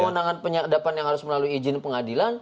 kewenangan penyadapan yang harus melalui izin pengadilan